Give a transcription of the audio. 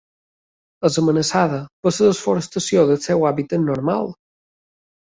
És amenaçada per la desforestació del seu hàbitat normal.